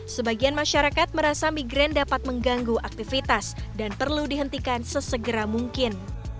sebagian masyarakat merasa migraine dapat mengganggu aktivitas dan perlu dihentikan sesegera mungkin